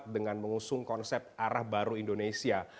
dengan mengusung konsep arah baru indonesia